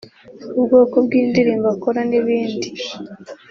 ubwoko bw’indirimbo akora n’ibindi